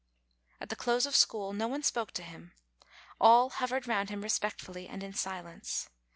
At the close of school, no one spoke to him; all hovered round him respectfully, and in silence.